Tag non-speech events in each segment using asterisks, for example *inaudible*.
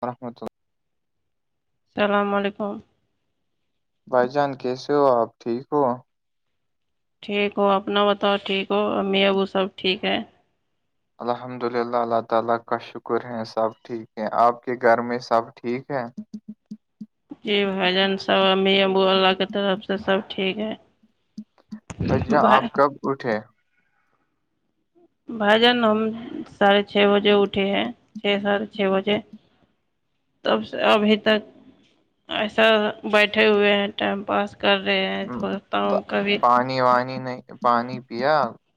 وورحمۃ اللہ السلام علیکم بھائی جان کیسے ہو آپ ٹھیک ہو ٹھیک ہو اپنا بتاؤ ٹھیک ہو امی ابو سب ٹھیک ہے الحمد للہ اللہ تعالی کا شکر ہے سب ٹھیک ہے آپ کے گھر میں سب ٹھیک ہے جی بھ جن سب امی ابو واللہ کی طرف سے سب ٹھیک ہے ااں آپ بھائی کب اٹھے بھائی جان ہم ساڑھے چھ بجے اٹے ہیں چھ ساھے چھ بجے تب سے ابھی تک ایسا بیٹھے ہوئے ہیں ٹائم پاس کر رہے ہیں ہم، تووڑتا تا- ہوں کبھی پانی وانی نہیں پانی پیا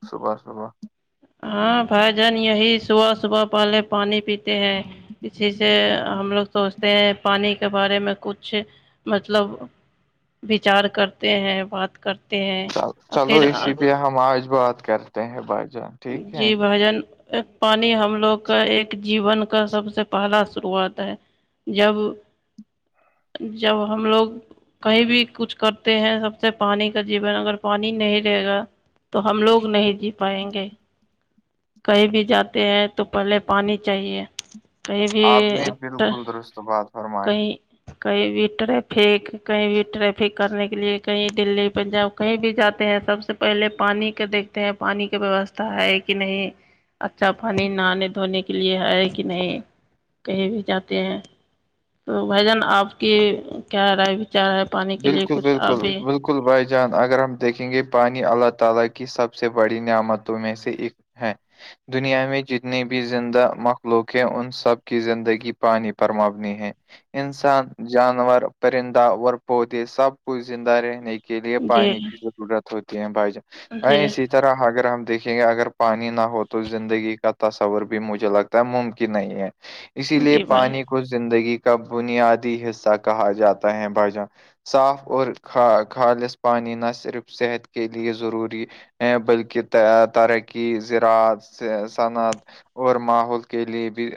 صبح صبح ہاں بھائی جان یہی صبح صبح پہلے پانی پیتا ت ہیں اسی سے ہم لوگ سوچتے ہیں پانی کے بارے میں کچھ مطلب وچار کرتے ہیں بات کرتے ہیں اور چلو پھر اسی لیے ہم آج بات کرتے ہیں بھائی جان ٹھیک جی ہے بھجن ایک پانی ہم لوگ کا ایک جیون کا سب سے پہلا شروعات ہے جب جب ہم لوگ کہیں بھی کچھ کرتے ہیں سب سے پانی کا جیون اگر پانی نہیں رہے گا تو ہم لوگ نہیں جی پائیں گے کہیں بھی جاتے ہیں تو پہلے پانی چاہیے کہئی آپ نے بھی بالکل درست بات فرمائی کئی کہیں بھی ٹریفک کہیں بھی ٹریفک کرنے کے لیے کہیں دلی پنجاب کہیں بھی جاتے ہیں سب سے پہلے پانی کے دیکھتے ہیں پانی کی ویوستا ہے کہ نہیں اچھا پانی نہانے دھونے کے لیے ہے کہ نہیں کہیں بھی جاتے ہیں تو بھائی جان آپ کی کیا رہا ہے بچار ہے پانی کے لیے بالکل کچھ بالکل آبے بالکل بھائی جان اگر ہم دیکھیں گے پانی اللہ تعالی کی سب سے بڑی نعمتوں میں سے ایک ہاں دنیا میں جتنی بھی زندہ مخلوق ہیں ان سب کی زندگی پانی پر مبنی ہے انسان جانور پرندہ ور پودے سب کچھ زندہ رہنے کے لیے جی پانی کی ضرورت ہوتی ہے بھائی جان جی اسی طرح اگر ہم دیکھیں گے اگر پانی نہ ہو تو زندگی کا تصور بھی مجھے لگتا ممکن نہیں ہے اسی لیے جی بھائی پانی کو زندگی کا بنیادی حصہ کہا جاتا ہے بھائی جان صاف اورا خالص پانی نہ صرف صحت کے لیے ضروری بلکہ ترقی ذراعت صنعت اور ماحول کے لیے بھی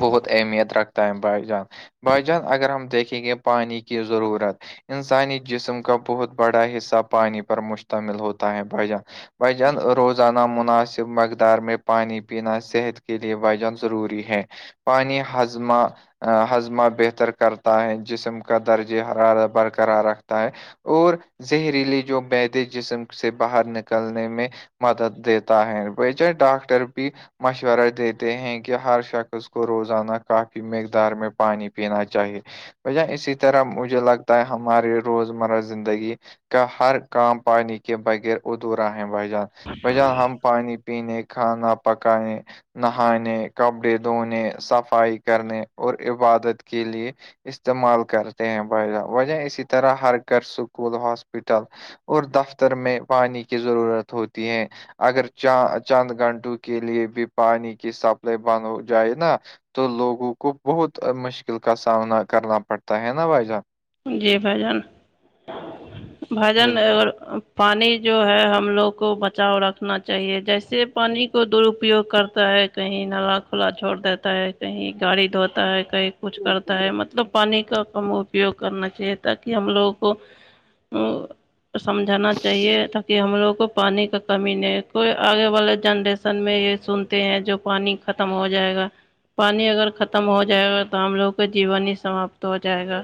بہت اہمیت رکھتا ہے بھائی جان بھائی جان اگر ہم دیکھیں گے پانی کی ضرورت انسانی جسم کا بہت بڑا حصہ پانی پر مشتمل ہوتا ہے بھجان بجان روزان نامناسب مقدار میں پانی پینا صحت کے لیے وجن ضروری ہے پانی ہضمہ ہضمہ بہتر کرتا ہے جسم کا درجے حرار برقرار رکھتا ہے اور زہریلی جو بیید جسم سے باہر نکلنے میں مدد دیتا ہے ب ج ڈاکٹر بھی مشورہ دیتے ہیں کہ ہر شخص کو روزانہ کافی مقدار میں پانی پینا چاہیے ب اسی طرح مجھے لگتا ہے ہماری روز مرہ زندگی کا ہر کام پانی کے بغیر ادھورا ہے بھ جان بھ جان ہم پانی پینے کھانا پکانے نہانے کپڑے دھونے صفائی کرنے اور عبادت کے لیے استعمال کرتے ہیں ب وجہ اسی طرح ہر گھر سکول ہاسپٹل اور دفتر میں پانی کی ضرورت ہوتی ہے اگر چند گھنٹوں کے لیے بھی پانی کی سپلائی بند ہو جائے نا تو لوگوں کو بہت مشکل کا سامنا کرنا پڑتا ہے نا وجہ جی بھجن بھجن بالکل اگر پانی جو ہے ہم لوگ کو بچاؤ رکھنا چاہیے جیسے پانی کو درپیوگ کرتا ہے کہیں نالا کھلا چھوڑ دیتا ہے کہیں گاڑی دھوتا ہے کہیں کچھ کرتا ہے مطلب پانی کا کم اپیوگ کرنا چاہیے تاکہ ہم لوگوں کو سمجھانا چاہیے تاکہ ہم لوگ کو پانی کا کمی نہیں کوئی آگے والے جنریشن میں یہ سنتے ہیں جو پانی ختم ہو جائے گا پانی اگر ختم ہو جائے گا تو ہم لوگ کا جیون ہی سماپت ہو جائے گا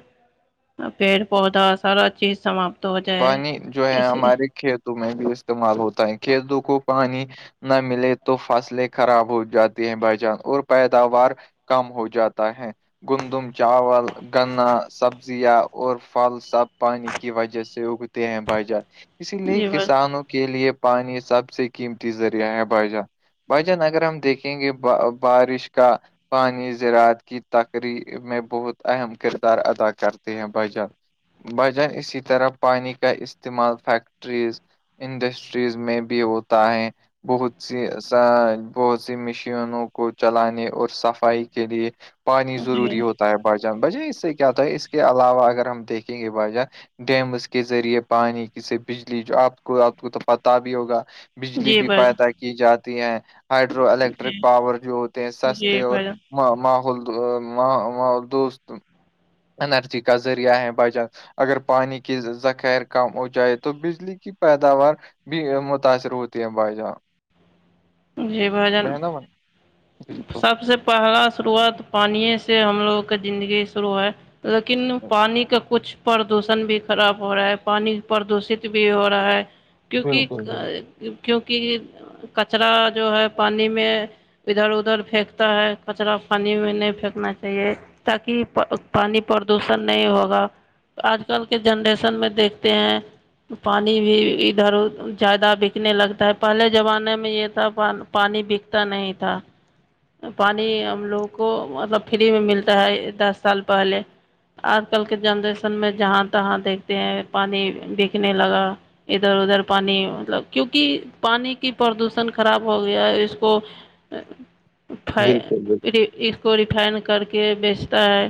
پیڑ پودا سارا چیز سمات پانی جو ہے ہمارے کھیتوں میں بھی استعمال ہوتا ہے کھیتوں کو پانی نہ ملے تو فصلیں خراب ہو جاتی ہیں بہ جان اور پیداوار کم ہو جاتا ہے گندم چاول گنا سبزیاں اور پھل سب پانی کی وجہ سے اگتے ہیں بھائی جار اسی لیے جی بھائی کسانوں کے لیے پانی سب سے قیمتی ذریعہ ہے بھائی جان بھائی جان اگر ہم دیکھیں گے بارش کا پانی زراعت کی تقری میں بہت اہم کردار ادا کرتے ہیں بھجن بجان اسی طرح پانی کا استعمال فیکٹریز انڈسٹریز میں بھی ہوتا ہے بہت سی ایس بہت سی مشینوں کو چلانے اور صفائی کے لیے پانی جی ضروری ہوت باجان بج اس سے کیا ہوتا ہے اس کے علاوہ اگر ہم دیکھیں گے بجان ڈیمز کے کے ذریعے پانی ک سے بجلی جو آپ کو آپ کو تو پتا بھی ہوگا بجلی جی بھی بھائی پیدا کی جاتی ہیں ہائڈرو جی الیکٹرک پاور جو ہوتے ہیں سستے جی اور بھائی ماحول دوول دوست اینرجی کا ذریعہ ہے بائی چانس اگر پانی کے ذخیر کم ہو جائے تو بجلی کی پیداوار بھی متاثر ہوتی ہے بھائی جان جی بھجن ہے نا بھائی؟ بالکل سب سے پہلا شروعات پانی سے ہم لوگ کا زندگی شروع ہے لیکن پانیانی کا کچھ پردوشن بھی خراب ہو رہا ہے پانی پردوشت بھی ہو رہا ہے بالکل کیونکہ بالکل کیوںکہ کچرا جو ہے پانی میں ادھر ادھر پھینکتا ہے کچرا پانی میں نہیں پھینکنا چاہیے تاکہ پانی پردوشن نہیں ہوگا آج کل کے جنریشن میں دیکھتے ہیں پانی بھی ادھر زیادہ بکنے لگتا ہے پہلے زمانے میں یہ تھا پانی بکتا نہیں تھا پانی ہم لوگوں کو مطلب فری میں ملتا ہے دس سال پہلے آج کل کے جنریشن میں جہاں تہاں دیکھتے ہیں پانی بکنے لگا ادھر ادھر پانی مطلب کیونکہ پانی کی پردوشن خراب ہو گیا ہے اس کو ا بالکل بالکل اس کو ریفائن کر کے بیچتا ہے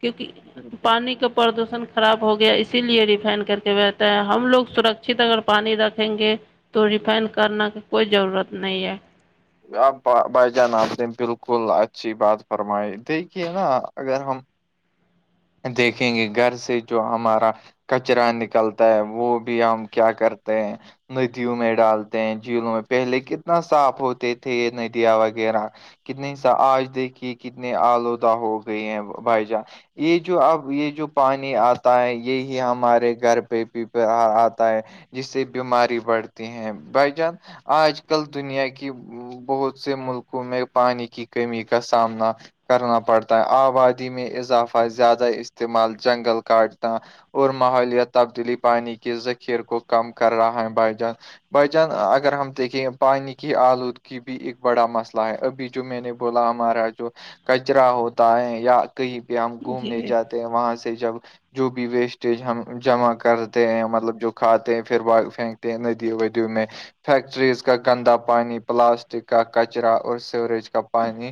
کیونکہ بالکل پانی کا پردوشن خراب ہو گیا اسی لیے ریفائن کر کے بتا ہے ہم لوگ سرکچت اگر پانی رکھیں گے تو ریفائنڈ کرنا کی کوئی ضرورت نہیں ہے آپ بھائی جان آپ نے بالکل اچھی بات فرمائی دیکھیے نا اگر ہم دیکھیں گے گھر سے جو ہمارا کچرا نکلتا ہے وہ بھی ہم کیا کرتے ہیں ندیوں میں ڈالتے ہیں جھیلوں میں پہلے کتنا صاف ہوتے تھے یہ ندیاں وغیرہ کتنی سا آج دیکھی کتنے آلودہ ہو گئے ہیں بھائی جان یہ جو اب یہ جو پانی آتا ہے یہی ہمارے گھر پہی آتا ہے جس سے بیماری بڑھتی ہے بھائی جان آج کل دنیا کی بہت سے ملکوں میں پانی کی کمی کا سامنا کرنا پڑتا ہے آبادی میں اضافہ زیادہ استعمال جنگل کاٹتا اور ماحولیا تبدیلی پانی کے ذخیر کو کم کر رہا ہے بھائی جان بھائی جان اگر ہم دیکھیں پانی کی آلودگ بھی ایک بڑا مسئلہ ہے ابھی جو میں نے بولا ہمارا جو کچرا ہوتا ہے یا کہیں پہ ہم گھومنے جی جاتے وہاں سے جب جو بھی ویسٹیج ہم جمع کرتے ہیں مطلب جو کھاتے ہیں پھر ب پھینکتے ہیں ندیوں ودیوں میں فیکٹریز کا گندا پانی پلاسٹک کا کچرا اور سیوریج کا پانی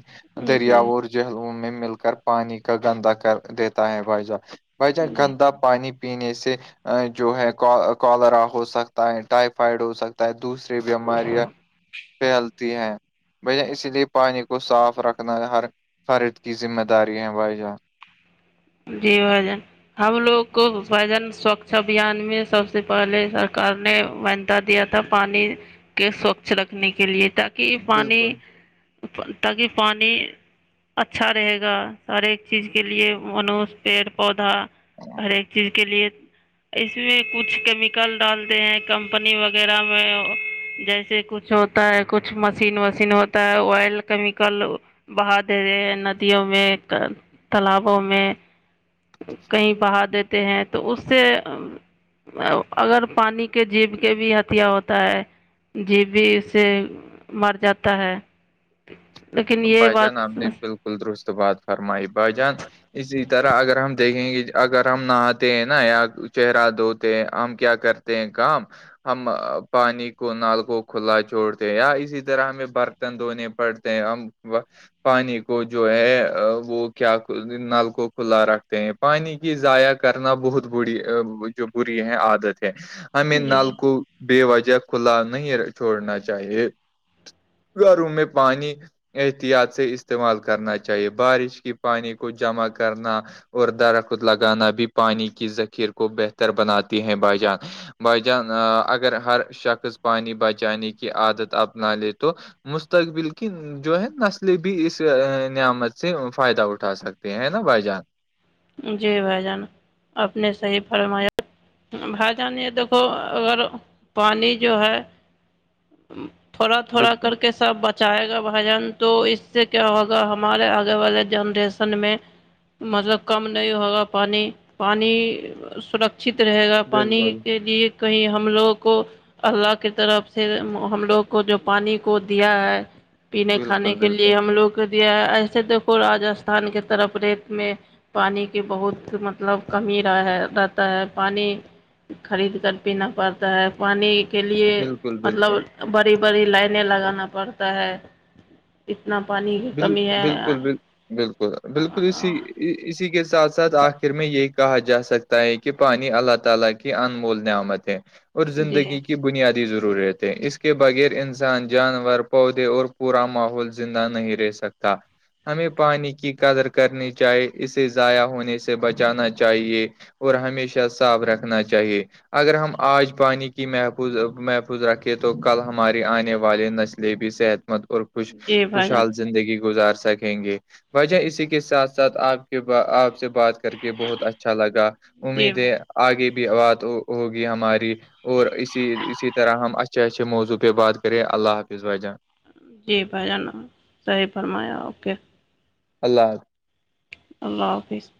جی دریاؤں اور جہلوں میں مل کر پانی کا گندا کر دیتا ہے بائجا بائی ج جی گندا پانی پینے سے جو ہے کالرا ہو سکتا ہے ٹائفائڈ ہو سکتا ہے دوسرے بیماریاں پھیلتی ہیں بھائی جان اسی لیے پانی کو صاف رکھنا ہر فرد کی ذمہ داری ہے بھائی جان جی ہجن ہم لوگ کو وجن سوھ چھبان میں سب سے پہلے سرکار نے وندا دیا تھا پانی کے سوچھ رکھنے کے لیے تاکہ یہ پانی بالکل تاکہ پانی اچھا رہے گا ہر ایک چیز کے لیے منوس پیڑ پودا ہر ایک چیز کے لیے اس میں کچھ کیمیکل ڈالتے ہیں کمپنی وغیرہ میں جیسے کچھ ہوتا ہے کچھ مشین وشین ہوتا ہے آئل کیمیکل بہا دے رہے ہیں ندیوں میں تالابوں میں کہیں بہا دیتے ہیں تو اس سے اگر پانی کے جیب کے بھی ہتھیا ہوتا ہے جی بھی اس سے مر جاتا ہے لیکن یہ بات کلرست و بعاد فرمائیے با جان اسی طرح اگر ہم دیکھیں گے اگر ہم نہاتے ہیں نا یا چہرہ دھوتے ہیں ہم کیا کرتے کام ہم پانی کو نال کو کھلا چھوڑتے ہیں یا اسی طرح ہمیں بر دھونے پڑتے ہیں ہم پانی کو جو ہے وہ کیا نل کو کھلا رکھتے ہیں پانی کی ضائع کرنا بہت بری جو بری ہے عادت ہے ہمیں جی نال کو بے وجہ کھلا نہیں چھوڑنا چاہیے گھروں میں پانی احتیاط سے استعمال کرنا چاہیے بارش کی پانی کو جمع کرنا اور درخت لگانا بھی پانی کی ذخیر کو بہتر بناتی ہے بھائی جان بھائی جان اگر ہر شخص پانی بچانے کی عادت اپنا لے تو مستقبل کین جو ہے نسلیں بھی اس نعمت سے فائدہ اٹھا سکتے ہیں نا بھائی جان جی بھ جان اپ نے صحیح فرمایا بھ جان یہ دیکھو اگر پانی جو ہے تھوڑا تھوڑا بالکل کر کے سب بچائے گا بھجن تو اس سے کیا ہوگا ہمارے آگے والے جنریشن میں مطلب کم نہیں ہوگا پانی پانی سرکچت رہے گا پانی بالکل کے لیے کہیں ہم لوگوں کو اللہ کی طرف سے ہم لوگ کو جو پانی کو دیا ہے پینے بالکل کھانے کے بالکل لیے ہم لوگوں کو دیا ہے ایسے دیکھو راجستھان کی طرف ریت میں پانی کی بہت مطلب کمی رہا ہے رہتا ہے پانی خرید کر پینا پڑتا ہے پانی کے لیے بالکل بالکل مطلب بڑی بڑی لائن لگانا پڑتا ہے اتنا پا ب بالکل بل بالکل بالکل اسی اسی کے ساتھ ساتھ آخر میں یہ کے پانی اللہ تعالی کی انمول نعمت ہے اور جی زندگی کی بنیادی ضرورت ہے اس کے بغیر انسان جانور پودے اور پورا ماحول زندہ نہیں رہ سکتا ہمیں پانی کی قدر کرنی چاہیے اسے ضائع ہونے سے بچانا چاہیے *unintelligible* اور ہمیشہ صاف رکھنا چاہیے اگر ہم آج پانی کی محفوظ محفوظ رکھیں تو کل ہمارے آنے والے نسل بھی صحت مت اور خوش جی *unintelligible* بھائی جان زندگی گزار سکیں گے وجہ اسی کے ساتھ ساتھ آپ کے آپ سے بات کر کے *unintelligible* کہ بہت اچھا لگا جی امید ہے بھائی آگے بھی بات ہوگی ہماری *unintelligible* اور اسی اسی طرح ہم اچھے اچھے موضوع پہ بات کریں اللہ حافظ وجاں جی بائی جانا صحیح فرمایا اوکے *unintelligible* اللہ حفظ *unintelligible* اللہ حافظ *unintelligible*